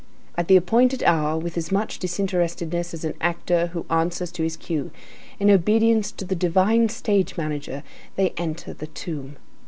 At the appointed hour, with as much disinterestedness as an actor who answers to his cue, in obedience to the divine stage manager, they enter the tomb.